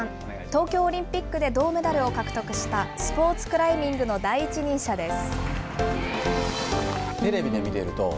東京オリンピックで銅メダルを獲得した、スポーツクライミングの第一人者です。